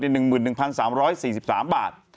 เป็น๑๑๓๔๓บาท